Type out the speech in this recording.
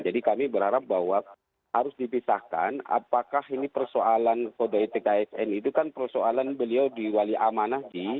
jadi kami berharap bahwa harus dipisahkan apakah ini persoalan kode itk sn itu kan persoalan beliau diwalikan